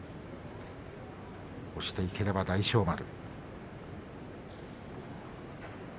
押していければ大翔丸。